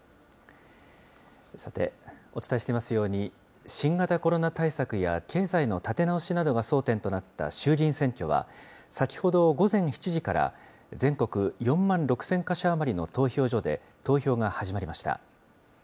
さて、お伝えしていますように、新型コロナ対策や、経済の立て直しなどが争点となった衆議院選挙は、先ほど午前７時から、全国４万６０００か所余りの投票所で投票が始まりました。